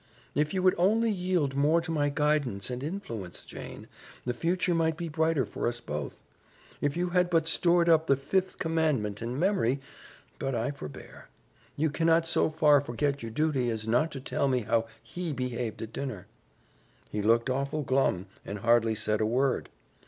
"If you would only yield more to my guidance and influence, Jane, the future might be brighter for us both. If you had but stored up the Fifth Commandment in memory but I forbear. You cannot so far forget your duty as not to tell me how HE behaved at dinner." "He looked awful glum, and hardly said a word."